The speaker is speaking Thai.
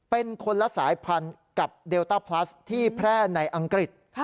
เป็นคนละสายพันธุ์กับเดลต้าพลัสที่แพร่ในอังกฤษ